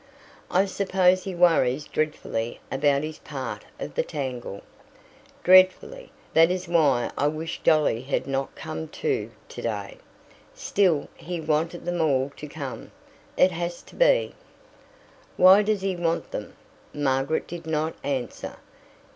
"I suppose he worries dreadfully about his part of the tangle." "Dreadfully. That is why I wish Dolly had not come, too, today. Still, he wanted them all to come. It has to be." "Why does he want them?" Margaret did not answer.